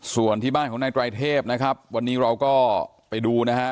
ส่วนที่บ้านของนายไตรเทพนะครับวันนี้เราก็ไปดูนะฮะ